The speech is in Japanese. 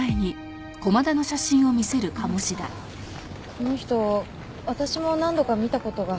この人私も何度か見た事が。